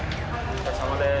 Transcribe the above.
お疲れさまです。